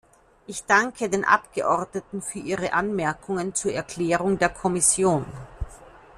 Ich danke den Abgeordneten für ihre Anmerkungen zur Erklärung der Kommission.